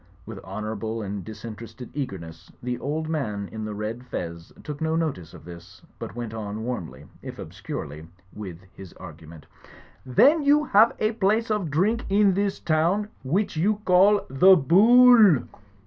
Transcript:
With honourable and disinterested eagerness, the old gentleman in the red fez took no notice of this, but went on warmly, if obscurely, with his argument ''Then you have a place of drink in this town which you call The Bool!"